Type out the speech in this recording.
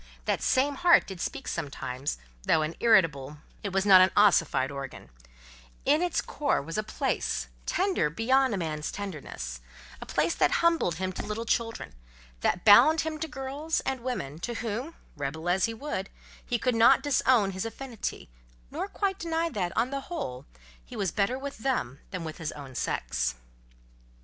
That same heart did speak sometimes; though an irritable, it was not an ossified organ: in its core was a place, tender beyond a man's tenderness; a place that humbled him to little children, that bound him to girls and women to whom, rebel as he would, he could not disown his affinity, nor quite deny that, on the whole, he was better with them than with his own sex.